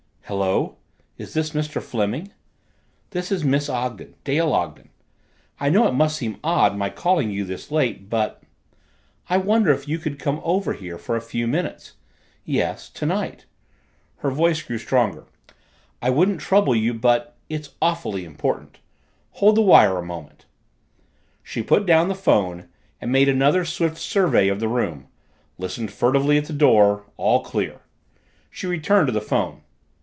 "Hello is this Mr. Fleming? This is Miss Ogden Dale Ogden. I know it must seem odd my calling you this late, but I wonder if you could come over here for a few minutes. Yes tonight." Her voice grew stronger. "I wouldn't trouble you but it's awfully important. Hold the wire a moment." She put down the phone and made another swift survey of the room, listened furtively at the door all clear! She returned to the phone.